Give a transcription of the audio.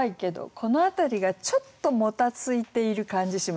この辺りがちょっともたついている感じしませんか？